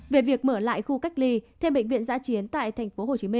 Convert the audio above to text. về việc mở lại khu cách ly thêm bệnh viện giã chiến tại tp hcm